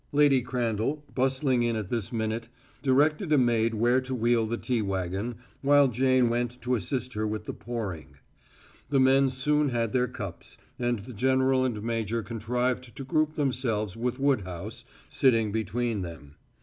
Lady Crandall, bustling in at this minute, directed a maid where to wheel the tea wagon, while Jane went to assist her with the pouring. The men soon had their cups, and the general and major contrived to group themselves with Woodhouse sitting between them.